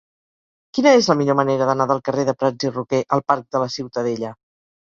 Quina és la millor manera d'anar del carrer de Prats i Roquer al parc de la Ciutadella?